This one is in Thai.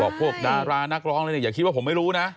พวกดารานักร้องอะไรเนี่ยอย่าคิดว่าผมไม่รู้นะ